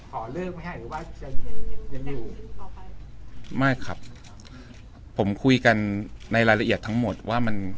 ขอเลิกไหมฮะหรือว่ายังยังอยู่ต่อไปไม่ครับผมคุยกันในรายละเอียดทั้งหมดว่ามัน